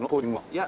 いや。